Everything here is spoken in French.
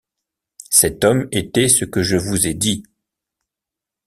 Cet homme était ce que je vous ai dit.